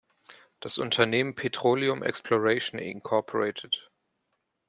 Das Unternehmen "Petroleum Exploration, Inc.